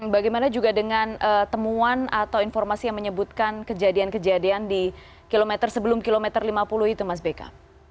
bagaimana juga dengan temuan atau informasi yang menyebutkan kejadian kejadian di kilometer sebelum kilometer lima puluh itu mas beka